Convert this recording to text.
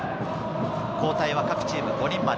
交代は各チーム５人まで。